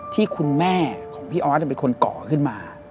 ที่คุณแม่ของพี่ออสเป็นคนก่อขึ้นมา